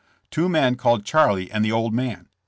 *'Two men called Charlie and the 'Old man.'